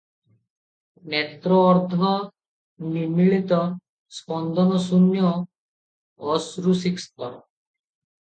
ନେତ୍ର ଅର୍ଦ୍ଧ ନିମୀଳିତ, ସ୍ପନ୍ଦନ ଶୂନ୍ୟ, ଅଶ୍ରୁସିକ୍ତ ।